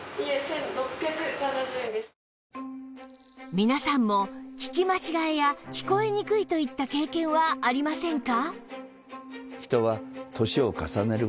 皆さんも聞き間違えや聞こえにくいといった経験はありませんか？